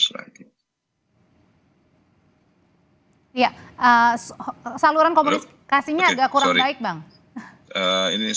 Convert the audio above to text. ya saluran komunikasinya agak kurang baik bang